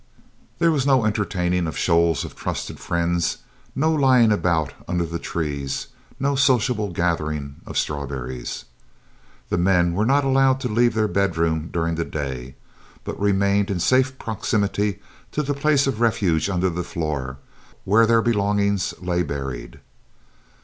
There was no entertaining of shoals of trusted friends, no lying about under the trees, no sociable gathering of strawberries. The men were not allowed to leave their bedroom during the day, but remained in safe proximity to the place of refuge under the floor, where their belongings lay buried.